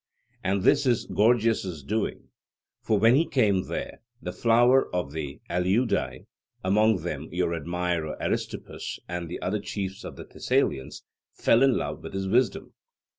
And this is Gorgias' doing; for when he came there, the flower of the Aleuadae, among them your admirer Aristippus, and the other chiefs of the Thessalians, fell in love with his wisdom.